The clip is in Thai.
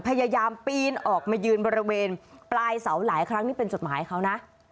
พยายามปีนออกมายืนบริเวณปลายเสาหลายครั้งนี่เป็นจดหมายเขานะ